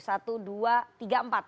satu dua tiga empat